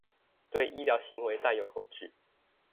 對醫療行為帶有恐懼